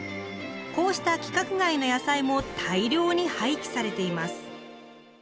こうした規格外の野菜も大量に廃棄されています。